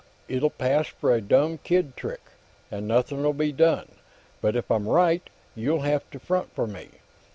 It'll pass for a dumb kid trick, and nothing'll be done. But if I'm right, you'll have to front for me.